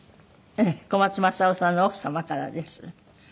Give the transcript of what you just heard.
小松政夫さんの奥様からです。